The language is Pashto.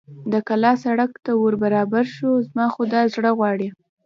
د کلا سړک ته ور برابر شو، زما خو دا زړه غواړي.